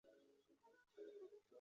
弗龙蒂尼昂德科曼热。